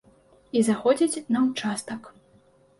І заходзіць на участак.